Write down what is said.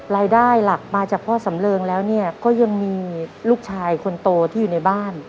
รายได้หลักมาจากพ่อสำเริงแล้วเนี่ยก็ยังมีลูกชายคนโตที่อยู่ในบ้าน